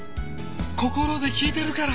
心で聴いてるから！